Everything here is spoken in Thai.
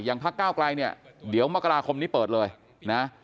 พักก้าวไกลเนี่ยเดี๋ยวมกราคมนี้เปิดเลยนะ